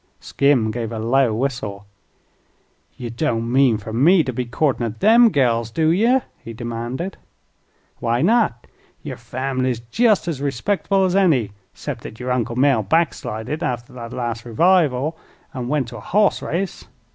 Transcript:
Skim gave a low whistle. "Ye don't mean fer me to be courtin' at them gals, do ye?" he demanded. "Why not? Yer fambly's jest as respectible as any, 'cept thet yer Uncle Mell backslided after the last revival, an' went to a hoss race.